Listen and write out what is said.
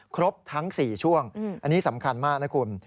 ครบทั้ง๔ช่วงอันนี้สำคัญมากนะคุณ